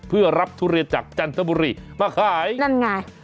เพื่อรับทุเรียนจากจันทบุรีมาขายนั่นไง